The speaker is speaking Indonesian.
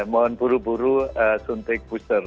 mohon buru buru suntik booster